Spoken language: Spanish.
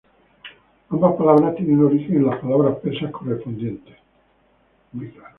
Ambas palabras tienen origen en las palabras persas correspondientes.